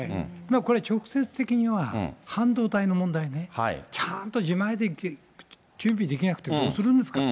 これ、直接的には、半導体の問題で、ちゃんと自前で準備できなくてどうするんですかと。